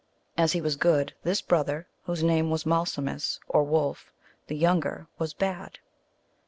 As he was good, this brother, whose name was Malsumsis, or Wolf the younger, was bad.